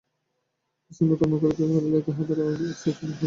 নিষ্কামভাবে কর্ম করিতে পারিলেই তাহা দ্বারা সিদ্ধিলাভ ইহয়া থাকে।